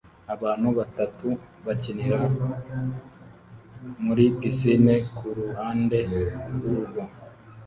Abantu batatu bakinira muri pisine kuruhande rwurugo